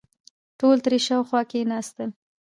ټول ترې شاوخوا کېناستل.